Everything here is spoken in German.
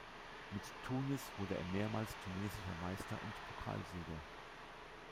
Mit Tunis wurde er mehrmals tunesischer Meister und Pokalsieger.